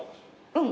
うん。